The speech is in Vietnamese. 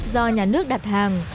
do nhà nước đặt hàng